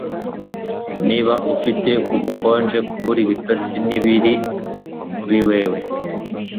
Niba ufite ubukonje kubura ibitotsi nibibi kuri wewe